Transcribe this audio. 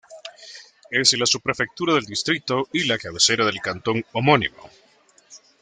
Es la subprefectura del distrito y la cabecera del cantón homónimo.